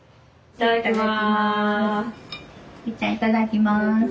いただきます。